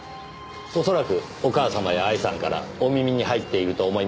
恐らくお母様や愛さんからお耳に入っていると思いますが。